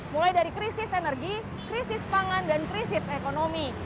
mulai dari krisis energi krisis pangan dan krisis ekonomi